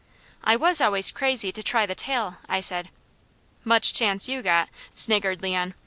"I was always crazy to try the tail," I said. "Much chance you got," sniggered Leon.